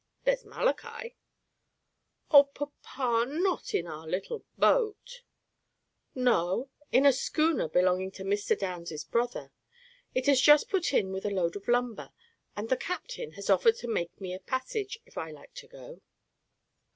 "There's Malachi." "Oh, papa, not in our little boat!" "No, in a schooner belonging to Mr. Downs's brother. It has just put in with a load of lumber, and the captain has offered me a passage if I like to go.